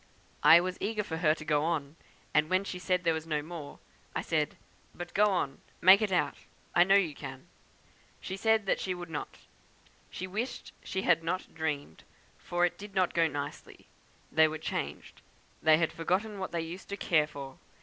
I was eager for her to go on, and when she said there was no more, I said, 'but go on! Make it out! I know you can.' She said she would not; she wished she had not dreamed, for it did not go on nicely, they were changed; they had forgotten what they used to care for.